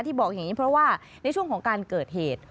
บอกอย่างนี้เพราะว่าในช่วงของการเกิดเหตุ